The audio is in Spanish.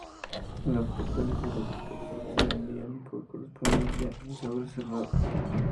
Las postales eróticas se vendían por correspondencia en sobres cerrados.